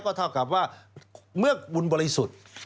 ก็เท่ากับว่าเมื่อบุญบริสุทธิ์